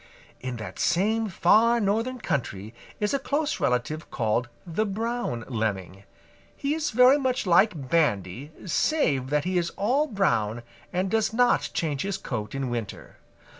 "In that same far northern country is a close relative called the Brown Lemming. He is very much like Bandy save that he is all brown and does not change his coat in winter.